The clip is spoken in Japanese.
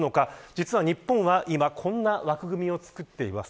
実は、日本は今こんな枠組みを作っています。